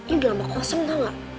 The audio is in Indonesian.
ini udah lama kosong tau gak